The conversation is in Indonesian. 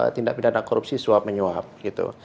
tindak pidana korupsi suap menyuap gitu